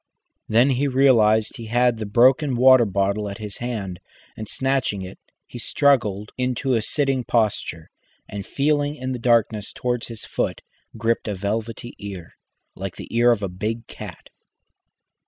Then he realised he had the broken water bottle at his hand, and, snatching it, he struggled into a sitting posture, and feeling in the darkness towards his foot, gripped a velvety ear, like the ear of a big cat.